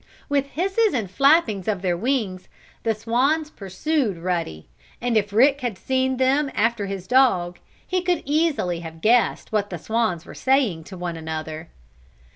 With hisses and flappings of their wings, the swans pursued Ruddy, and if Rick had seen them after his dog he could easily have guessed what the swans were saying to one another.